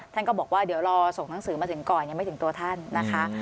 ท่านก็บอกว่าเดี๋ยวรอส่งหนังสือมาถึงก่อนยังไม่ถึงตัวท่านนะคะ